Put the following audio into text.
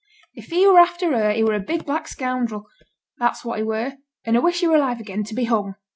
'If he were after her he were a big black scoundrel, that's what he were; and a wish he were alive again to be hung.